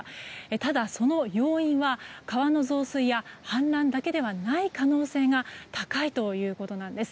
ただ、その要因は川の増水や氾濫だけではない可能性が高いということなんです。